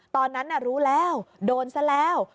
ตอนนั้นรู้แล้วโดนซะแล้ว